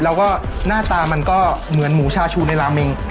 แล้วก็หน้าตามันก็เหมือนหมูชาชูในราเมง